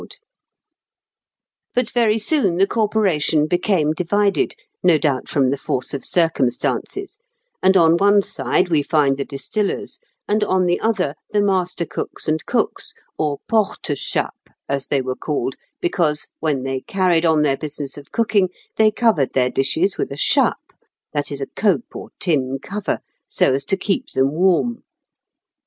] But very soon the corporation became divided, no doubt from the force of circumstances; and on one side we find the distillers, and on the other the master cooks and cooks, or porte chapes, as they were called, because, when they carried on their business of cooking, they covered their dishes with a chape, that is, a cope or tin cover (Fig. 122), so as to keep them warm.